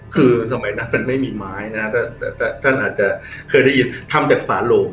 คือสมัยนั้นมันไม่มีไม้นะแต่ท่านอาจจะเคยได้ยินถ้ำจากฝาโลง